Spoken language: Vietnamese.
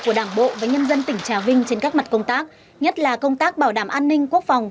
của đảng bộ và nhân dân tỉnh trà vinh trên các mặt công tác nhất là công tác bảo đảm an ninh quốc phòng